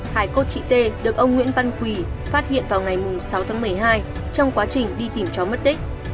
hai cốt chị t được ông nguyễn văn quỳ phát hiện vào ngày sáu tháng một mươi hai trong quá trình đi tìm cháu mất tích